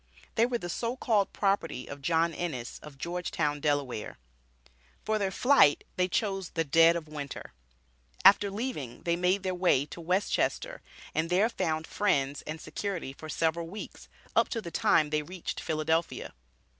They were the so called property of John Ennis, of Georgetown, Delaware. For their flight they chose the dead of Winter. After leaving they made their way to West Chester, and there found friends and security for several weeks, up to the time they reached Philadelphia.